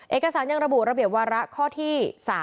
เอกสารยังระบุระเบียบวาระข้อที่๓